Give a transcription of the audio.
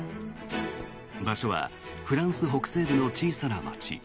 場所はフランス北西部の小さな街。